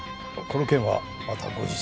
この件はまた後日。